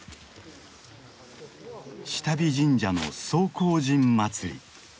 志多備神社の総荒神祭り。